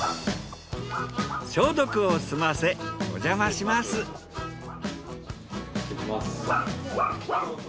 消毒を済ませ失礼します。